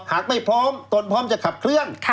หากไม่พร้อมตนพร้อมจะขับเคลื่อน